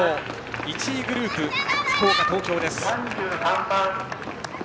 １位グループは福岡、東京。